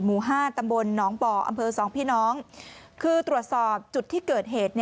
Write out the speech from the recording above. หมู่๕ตำบลหนองบ่ออำเภอ๒พี่น้องคือตรวจสอบจุดที่เกิดเหตุ